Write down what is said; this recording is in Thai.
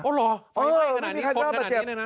โอ้หรอไม่มีใครได้รับบัตรเจ็บ